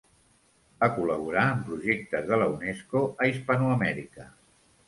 Va col·laborar en projectes de la Unesco a Hispanoamèrica.